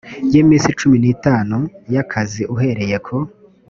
y iminsi cumi n itanu y akazi uhereye ku